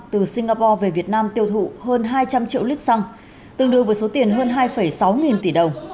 từ singapore về việt nam tiêu thụ hơn hai trăm linh triệu lít xăng tương đương với số tiền hơn hai sáu nghìn tỷ đồng